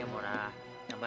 maksudnya nih enggom